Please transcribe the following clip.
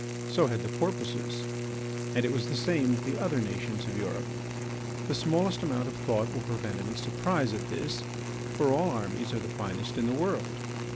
So had the Porpoises. And it was the same with the other nations of Europe. The smallest amount of thought will prevent any surprise at this. For all armies are the finest in the world.